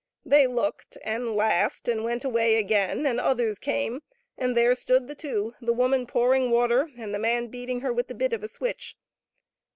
They looked and laughed and went away again, and others came, and there stood the two — the woman pouring water and the man beating her with the bit of a switch.